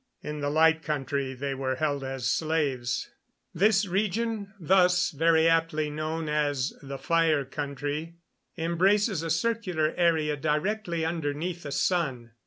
In the Light Country they were held as slaves. This region thus very aptly known as the Fire Country embraces a circular area directly underneath the sun.